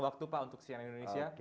waktu pak untuk cnn indonesia